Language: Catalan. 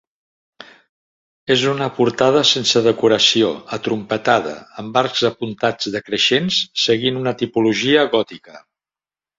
És una portada sense decoració, atrompetada, amb arcs apuntats decreixents, seguint una tipologia gòtica.